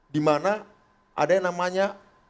dimana ada yang namanya